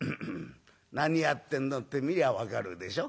「何やってんのって見りゃ分かるでしょ？